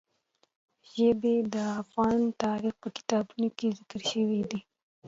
ژبې د افغان تاریخ په کتابونو کې ذکر شوي دي.